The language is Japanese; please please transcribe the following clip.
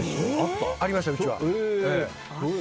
ありました、うちは。